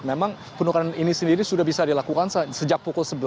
memang penukaran ini sendiri sudah bisa dilakukan sejak pukul sebelas